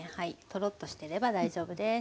トロッとしてれば大丈夫です。